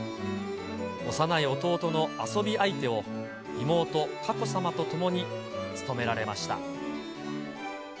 幼い弟の遊び相手を、妹、佳子さまと共に務められました。